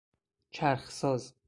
چرخساز